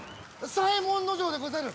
左衛門尉でござる！